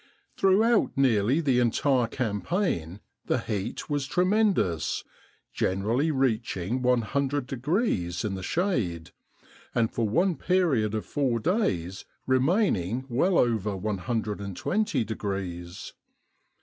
Throughout nearly the entire campaign the heat was tremendous, generally reaching 100 degrees in the shade, and for one period of four days remaining well over 120 degrees.